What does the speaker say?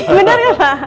benar nggak pak